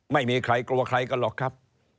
ไม่มีใครกลัวใครกันหรอกครับ